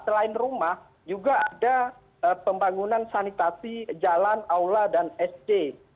selain rumah juga ada pembangunan sanitasi jalan aula dan sd